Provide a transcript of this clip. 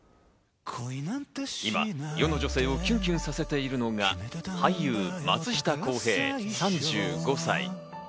今、世の女性をキュンキュンさせているのが、俳優・松下洸平、３５歳。